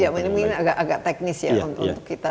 ini agak teknis ya untuk kita